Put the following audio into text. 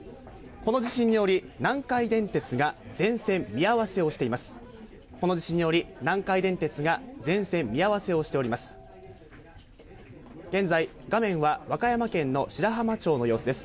この地震により南海電鉄が全線見合せをしております。